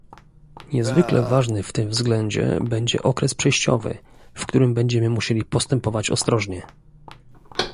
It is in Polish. Niezwykle ważny w tym względzie będzie okres przejściowy, w którym będziemy musieli postępować ostrożnie